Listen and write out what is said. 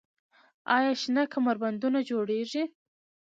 آیا شنه کمربندونه جوړیږي؟